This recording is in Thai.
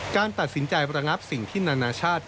การตัดสินใจระงับสิ่งที่นานาชาติ